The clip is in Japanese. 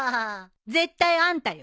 絶対あんたよ。